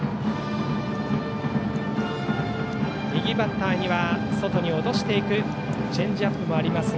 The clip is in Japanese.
右バッターには外に落としていくチェンジアップもあります。